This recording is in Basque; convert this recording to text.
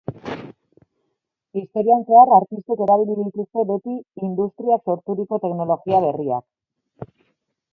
Historian zehar, artistek erabili dituzte beti industriak sorturiko teknologia berriak.